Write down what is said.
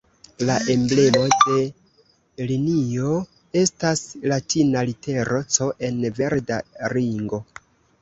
La emblemo de linio estas latina litero "C" en verda ringo.